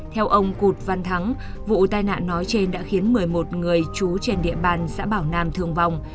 theo ông cụt văn thắng vụ tai nạn nói trên đã khiến một mươi một người trú trên địa bàn xã bảo nam thương vong